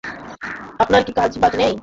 আপনার কি কাজ-বাজ নেই?